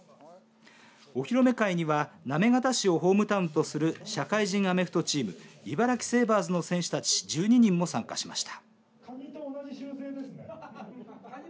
お披露目会には行方市をホームタウンとする社会人アメフトチーム茨城セイバーズの選手たち１２人も参加しました。